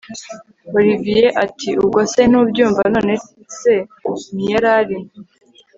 Olivier atiubwo se ntubyumva nonece ntiyarari